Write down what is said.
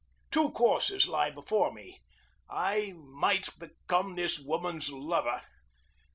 Two courses lie before me. I might become this woman's lover.